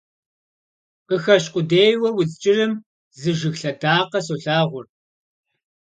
Къыхэщ къудейуэ удз кӀырым, Зы жыг лъэдакъэ солъагъур.